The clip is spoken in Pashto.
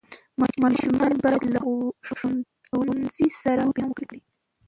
ماشومان باید له ښوونځي سره لوبي هم وکړي.